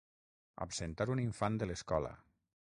Absentar un infant de l'escola.